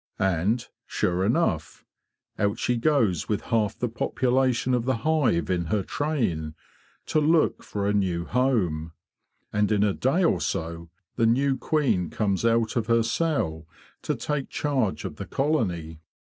And, sure enough, out she goes with half the population of the hive in her train, to look for a new home; and in a day or so the new queen comes out of her cell to take charge of the colony."